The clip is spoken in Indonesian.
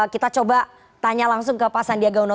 kita coba tanya langsung ke pak sandiaga uno